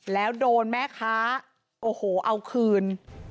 แล้วโดนแม่ค้าโอ้โหเอาคืน